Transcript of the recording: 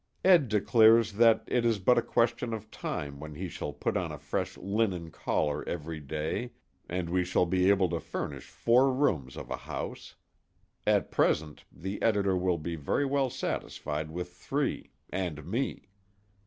Ed declares that it is but a question of time when he shall put on a fresh linen collar every day, and we shall be able to furnish four rooms of a house. At present, the editor will be very well satisfied with three and me.